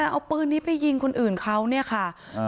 เอาปืนนี้ไปยิงคนอื่นเขาเนี่ยค่ะ